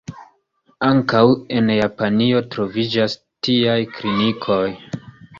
Ankaŭ en Japanio troviĝas tiaj klinikoj.